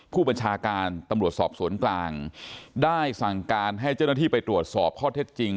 ผู้บัญชาการตำรวจสอบสวนกลางได้สั่งการให้เจ้าหน้าที่ไปตรวจสอบข้อเท็จจริง